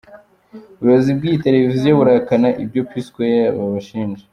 Ubuyobozi bw’iyi televiziyo burahakana ibyo P Square babashinja.